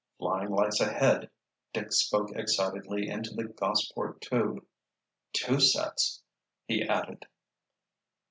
"Flying lights ahead—" Dick spoke excitedly into the Gossport tube. "Two sets—" he added.